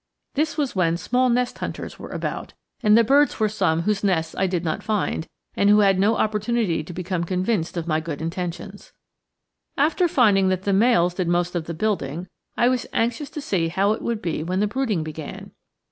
This was when small nest hunters were about, and the birds were some whose nests I did not find, and who had no opportunity to become convinced of my good intentions. After finding that the males did most of the building, I was anxious to see how it would be when the brooding began.